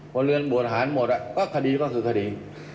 คนเลือกบรวนฐานหมดคดีก็คือคดี